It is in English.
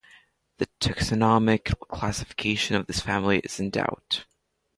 The taxonomic classification of this family is in doubt.